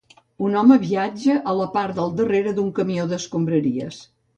Un home viatja a la part del darrere d'un camió d'escombraries.